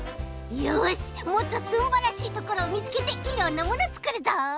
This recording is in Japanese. よしもっとすんばらしいところをみつけていろんなものつくるぞ！